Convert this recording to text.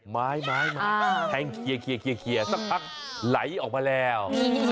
ไม้มาแทงเคลียร์สักพักไหลออกมาแล้ว